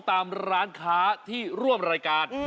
ตามร้านค้าที่ร่วมรายการ